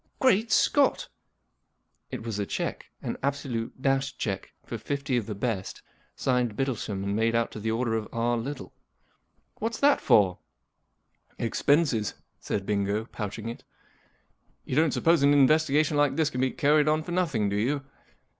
*■ Great Scott !" It was a cheque—an absolute, dashed cheque for fifty of the best, signed Bittlesham and made out to the order of R„ Little* " What's that for ?"" Expenses," said Bingo, pouching it. " You don't suppose an investigation like this can be carried on for nothing, do you